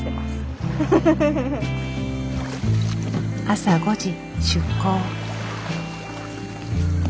朝５時出航。